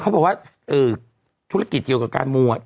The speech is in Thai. เขาบอกว่าธุรกิจเกี่ยวกับการมูอ่ะ